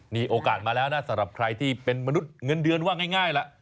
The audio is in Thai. มีโอกาสมาแล้วนะสำหรับใครที่เป็นมนุษย์เงินเดือนว่าง่ายล่ะ